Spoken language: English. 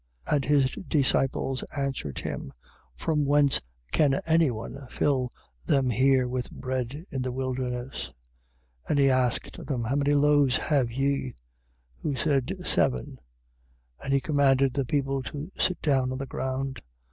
8:4. And his disciples answered him: From whence can any one fill them here with bread in the wilderness? 8:5. And he asked them: How many loaves have ye? Who said: Seven. 8:6. And he commanded the people to sit down on the ground.